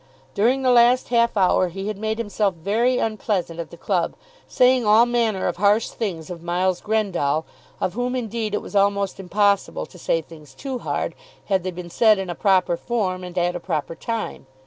During the last half hour he had made himself very unpleasant at the club, saying all manner of harsh things of Miles Grendall; of whom, indeed, it was almost impossible to say things too hard, had they been said in a proper form and at a proper time.